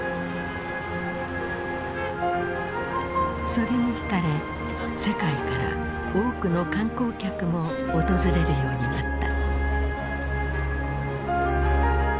それに惹かれ世界から多くの観光客も訪れるようになった。